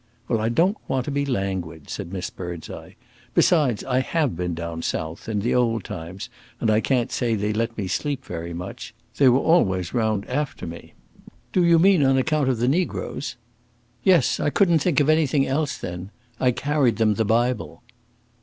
"Well, I don't want to be languid," said Miss Birdseye. "Besides, I have been down South, in the old times, and I can't say they let me sleep very much; they were always round after me!" "Do you mean on account of the negroes?" "Yes, I couldn't think of anything else then. I carried them the Bible."